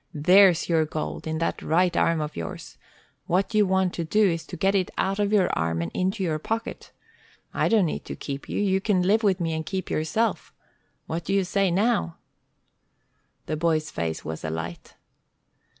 "There's your gold, in that right arm of yours. What you want to do is to get it out of your arm and into your pocket. I don't need to keep you. You can live with me and keep yourself. What do you say now?" The boy's face was alight.